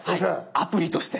アプリとして。